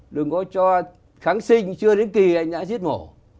đừng có cho kháng sinh chưa đến kỳ anh đã giết mổ